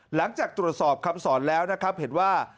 หลังจากตรวจสอบคำสอนแล้วนะครับเห็นว่า